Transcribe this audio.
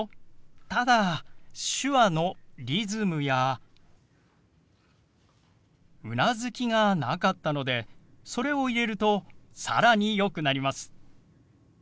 ただ手話のリズムやうなずきがなかったのでそれを入れると更によくなります。